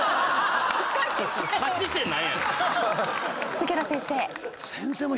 杉浦先生。